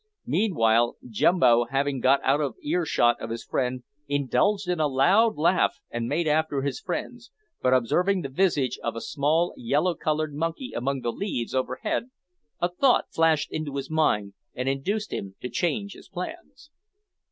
Meanwhile Jumbo, having got out of earshot of his friend, indulged in a loud laugh and made after his friends, but, observing the visage of a small yellow coloured monkey among the leaves overhead, a thought flashed into his mind and induced him to change his plans.